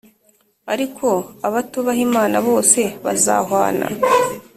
Ariko abatubaha Imana bose bazahwana